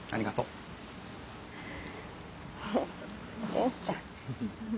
元ちゃん。